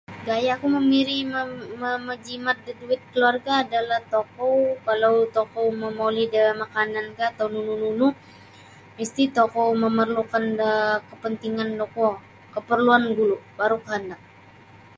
Gayaku mamiri mam mamajimat da duit keluarga adalah tokou kalau tokou momoli da makanankah atau nunu nunu misti tokou memerlukan do kepentingan da kuo keperluan gulu' baru kehendak.